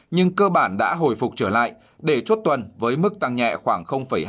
nhưng cơ bản đã hồi phục trở lại để chốt tuần với mức tăng nhẹ khoảng hai mươi